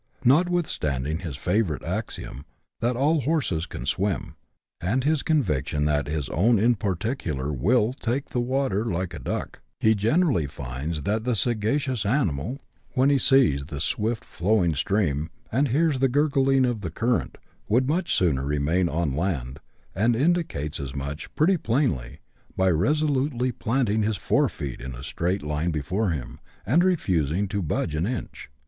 Notwith CHAP. XII.] A BUSH FERRY. 133 standing his favourite axiom, that " all horses can swim," and his conviction that his ovt^n in particular will " take the water like a duck," he generally finds that the sagacious animal, when he sees the swift flowing stream, and hears the gurgling of the current, would much sooner remain on land, and indicates as much, pretty plainly, by resolutely planting his fore feet in a straight line before him, and refusing to budge an inch.